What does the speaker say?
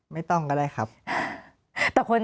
ไม่ต้องก็ได้ครับ